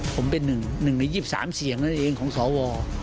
ผมเป็นหนึ่งใน๒๓เสียงนั้นเองของสหวววว